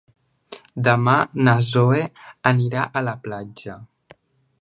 Demà na Zoè anirà a la platja.